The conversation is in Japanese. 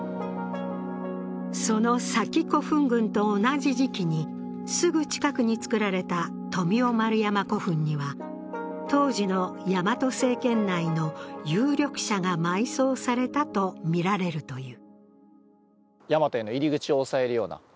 その佐紀古墳群と同じ時期に、すぐ近くに造られた富雄丸山古墳には、当時のヤマト政権内の有力者が埋葬されたとみられるという。